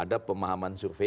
ada pemahaman survei